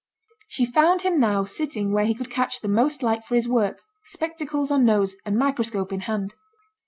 She found him now sitting where he could catch the most light for his work, spectacles on nose, and microscope in hand.